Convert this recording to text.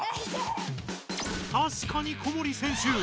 たしかに小森選手